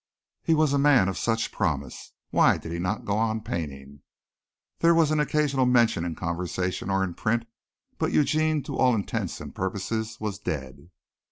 He was a man of such promise! Why did he not go on painting? There was an occasional mention in conversation or in print, but Eugene to all intents and purposes was dead.